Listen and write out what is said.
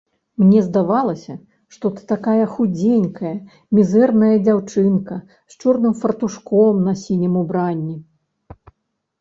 Мне здавалася, што ты такая худзенькая, мізэрная дзяўчынка з чорным фартушком на сінім убранні.